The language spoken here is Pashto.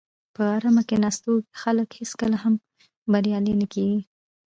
په آرامه کیناستونکي خلک هېڅکله هم بریالي نه کېږي.